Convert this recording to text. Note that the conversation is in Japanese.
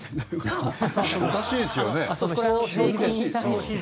おかしいですよね。